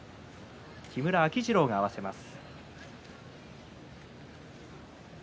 木村秋治郎が合わせます。